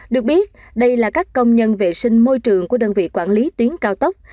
được biết đây là các công nhân vệ sinh môi trường của đơn vị quản lý tuyến cao tốc